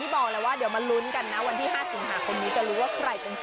พี่ยังแบบนี้เค้าเรียกตีพี่รุ้ทนะคะ